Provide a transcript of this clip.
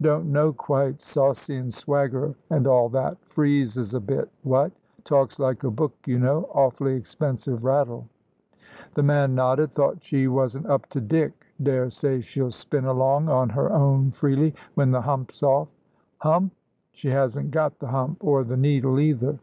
"Don't know, quite. Saucy and swagger and all that. Freezes a bit what? Talks like a book, you know. Awfully expensive rattle." The man nodded. "Thought she wasn't up to dick. Daresay she'll spin along on her own freely, when the hump's off." "Hump? She hasn't got the hump, or the needle either."